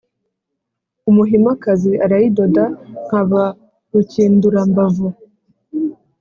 Umuhimakazi arayidoda, nkaba rukindurambavu